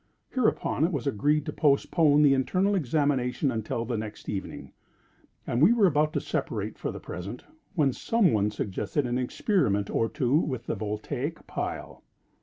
Hereupon it was agreed to postpone the internal examination until the next evening; and we were about to separate for the present, when some one suggested an experiment or two with the Voltaic pile.